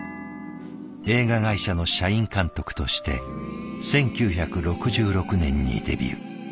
映画会社の社員監督として１９６６年にデビュー。